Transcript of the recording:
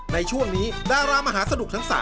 ในช่วงนี้ดารามหาสนุกทั้ง๓